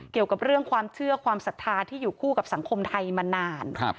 เกี่ยวกับเรื่องความเชื่อความศรัทธาที่อยู่คู่กับสังคมไทยมานาน